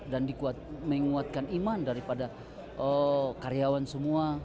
dan menguatkan iman daripada karyawan semua